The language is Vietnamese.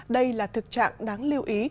đây là thực trạng đáng lưu ý